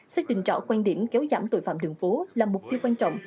xét định trỏ quan điểm kéo giảm tội phạm đường phố là mục tiêu quan trọng